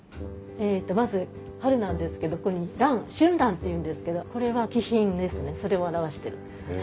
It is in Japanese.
えっとまず春なんですけどここに蘭春蘭っていうんですけどこれは気品ですねそれを表してるんですよね。